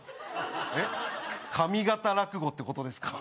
えっ上方落語ってことですか？